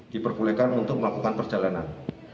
diperbolehkan untuk melakukan perjalanan